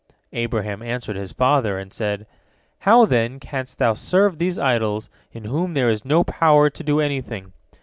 Abraham answered his father, and said: "How, then, canst thou serve these idols in whom there is no power to do anything?